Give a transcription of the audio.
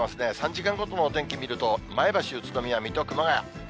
３時間ごとのお天気見ると、前橋、宇都宮、水戸、熊谷。